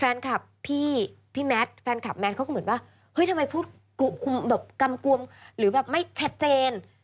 แฟนคลับพี่แมทเขาก็เหมือนว่าเฮ้ยทำไมพูดกำกุมหรือแบบไม่ชัดเจน